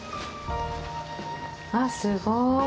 あっ、すごい。